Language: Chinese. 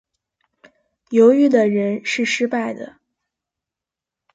犹豫的人是失败的。